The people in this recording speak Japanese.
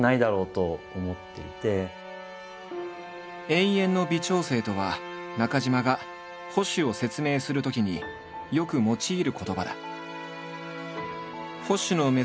「永遠の微調整」とは中島が保守を説明するときによく用いる言葉だ。